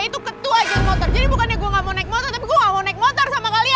itu ketua yang motor jadi bukannya gue gak mau naik motor